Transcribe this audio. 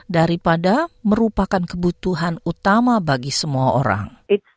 daripada merupakan kebutuhan utama bagi semua orang